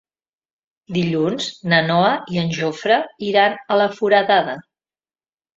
Dilluns na Noa i en Jofre iran a Foradada.